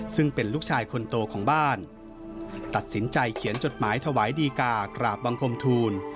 ซึ่งเป็นลูกชายคนโตของบ้านตัดสินใจเขียนจดหมายถวายดีกากราบบังคมทูล